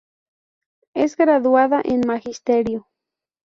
Es graduada en Magisterio.